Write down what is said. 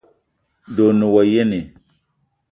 De o ne wa yene?